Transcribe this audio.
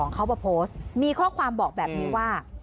เขามาโพสต์มีข้อความบอกแบบนี้ว่า